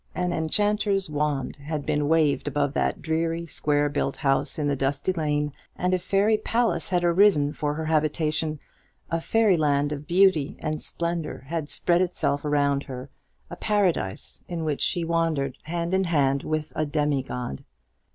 An enchanter's wand had been waved above that dreary square built house in the dusty lane, and a fairy palace had arisen for her habitation; a fairy land of beauty and splendour had spread itself around her, a paradise in which she wandered hand in hand with a demigod.